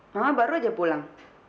mama baru aja pulang